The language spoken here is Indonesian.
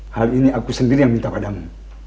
hal ini aku sendiri yang minta padamu